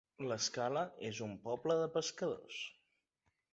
L'Escala és un poble de pescadors.